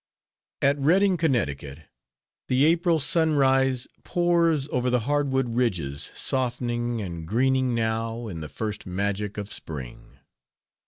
At Redding, Connecticut, The April sunrise pours Over the hardwood ridges Softening and greening now In the first magic of Spring.